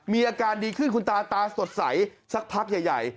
มีอาการดีขึ้นคุณตาตาสดใสสักพักใหญ่